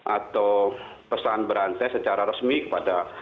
atau pesan berantai secara resmi kepada